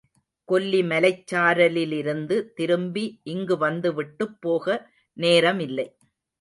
கொல்லிமலைச் சாரலிலிருந்து திரும்பி இங்கு வந்துவிட்டுப் போக நேரமில்லை.